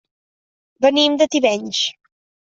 Venim de Tivenys.